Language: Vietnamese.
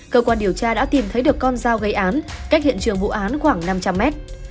cơ quan điều tra đã tìm thấy được con dao gây án cách hiện trường vụ án khoảng năm trăm linh mét